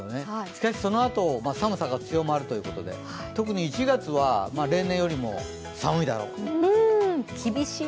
しかしそのあと寒さが強まるということで、特に１月は例年よりも寒いだろうと。